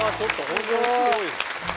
すごい。